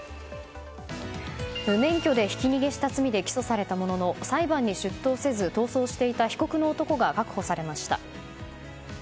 無免許でひき逃げした罪で起訴されたものの裁判に出頭せず逃走していた被告の男が確保されました。